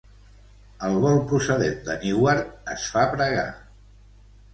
El vol procedent de Newark es fa pregar.